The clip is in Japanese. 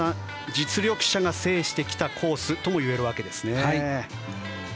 実力者が制してきたコースともいえるわけですね。